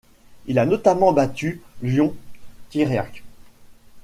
Il a notamment battu Ion Țiriac.